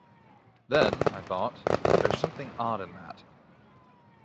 Then, I thought, there's something odd in that.